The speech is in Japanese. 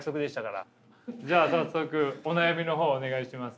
じゃあ早速お悩みの方お願いします。